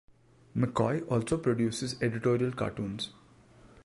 McCoy also produces editorial cartoons.